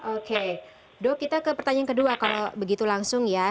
oke dok kita ke pertanyaan kedua kalau begitu langsung ya